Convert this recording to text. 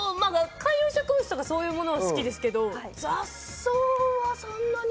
観葉植物とかそういうものは好きですけど、雑草はそんなに。